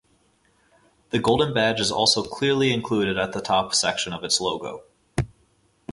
The golden badge is also clearly included at the top section of its logo.